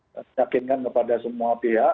meyakinkan kepada semua pihak